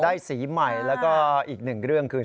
สีใหม่แล้วก็อีกหนึ่งเรื่องคือ